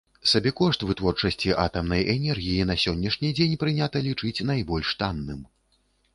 Сабекошт вытворчасці атамнай энергіі на сённяшні дзень прынята лічыць найбольш танным.